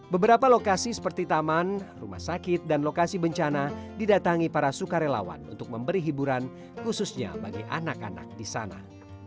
beberapa lokasi seperti taman rumah sakit dan lokasi bencana didatangi para sukarelawan untuk memberi hiburan khususnya bagi anak anak di sana